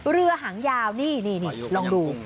เรือหางยาวนี่ลองดู